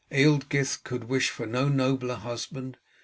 Ealdgyth could wish for no nobler husband.